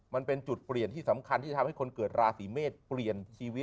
มันเป็นจุดเปลี่ยนที่สำคัญที่จะทำให้คนเกิดราศีเมษเปลี่ยนชีวิต